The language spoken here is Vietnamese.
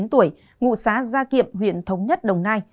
năm mươi chín tuổi ngụ xá gia kiệm huyện thống nhất đồng nai